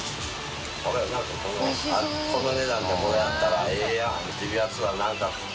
この値段でこれだったらええやんっていうやつはなんか。